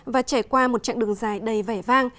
và trải qua một chặng đường dài đầy vẻ vang